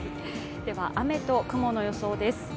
雨と雲の予想です。